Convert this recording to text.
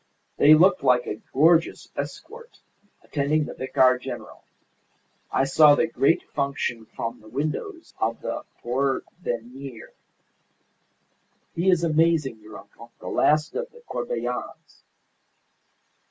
They looked like a gorgeous escort attending the Vicar General. I saw the great function from the windows of the Porvenir. He is amazing, your uncle, the last of the Corbelans.